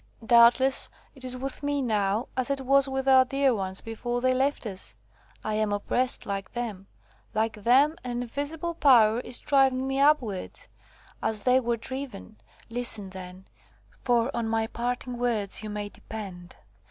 Doubtless it is with me now, as it was with our dear ones before they left us. I am oppressed, like them. Like them, an invisible power is driving me upwards, as they were driven. Listen, then; for on my parting words you may depend.